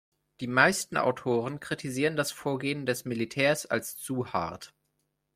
Die meisten Autoren kritisieren das Vorgehen des Militärs als zu hart.